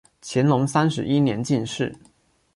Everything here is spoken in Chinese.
乾隆三十一年进士。